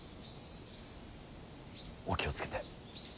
お気を付けて。